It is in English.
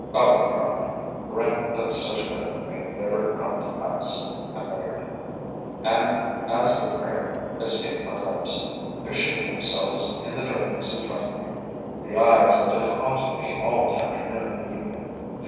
"O God! grant that such a thing may never come to pass," I muttered, and, as the prayer escaped my lips, there shaped themselves in the darkness in front of me, the eyes that had haunted me all the afternoon and evening.